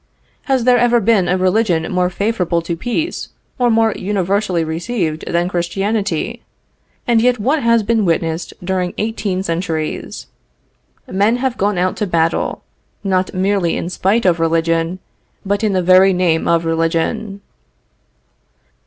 Has there ever been a religion more favorable to peace or more universally received than Christianity? And yet what has been witnessed during eighteen centuries? Men have gone out to battle, not merely in spite of religion, but in the very name of religion.